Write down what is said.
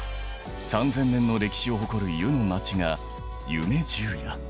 ３，０００年の歴史を誇る湯の町が「夢十夜」